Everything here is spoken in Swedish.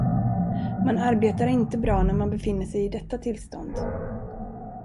Man arbetar inte bra, när man befinner sig i detta tillstånd.